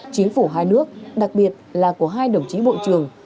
chính phủ hai nước đặc biệt là của hai đồng chí bộ trưởng